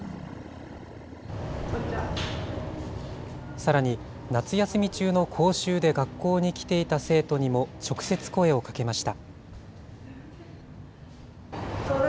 さらに、夏休み中の講習で学校に来ていた生徒にも直接声をかけました。